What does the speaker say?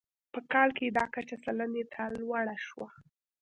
په کال کې دا کچه سلنې ته لوړه شوه.